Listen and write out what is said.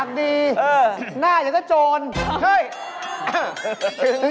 จำไว้หน้าตาพี่ยอมแพ้